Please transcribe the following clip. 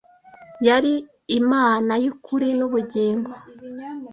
yari imana y'ukuri n’ubugingo